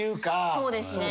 そうですね。